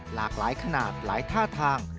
หลากหลายขนาดหลายท่าทาง